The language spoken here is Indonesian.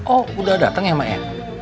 oh udah datang ya mak ya